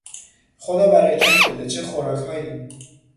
خدا برکت بده، چه خوراکهایی!